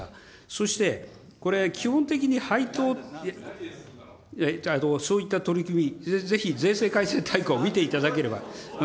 そして、これ、基本的に配当、そういった取り組み、ぜひ税制改正大綱を見ていただければ。